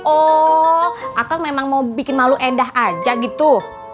oh akang memang mau bikin malu edah aja gitu